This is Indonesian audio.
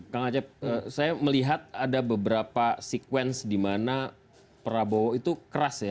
kang acep saya melihat ada beberapa sekuensi di mana prabowo itu keras ya